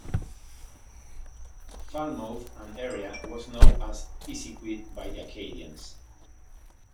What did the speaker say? Falmouth and area was known as Pisiquid by the Acadians.